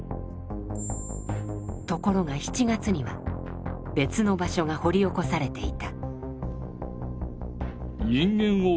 ところが７月には別の場所が掘り起こされていた。